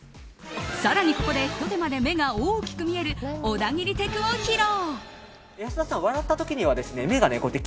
更にここで、ひと手間で目が大きく見える小田切テクを披露！